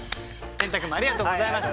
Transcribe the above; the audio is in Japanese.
ペンた君もありがとうございました。